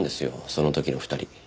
その時の２人。